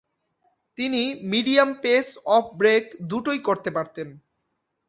তিনি medium pace off break দুটোই করতে পারতেন।